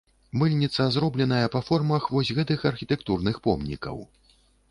Мыльніца зробленая па формах вось гэтых архітэктурных помнікаў.